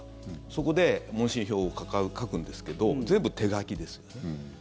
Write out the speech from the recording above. そこで問診票を書くんですけど全部手書きですよね。